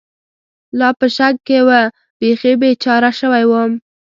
لا په شک کې و، بېخي بېچاره شوی ووم.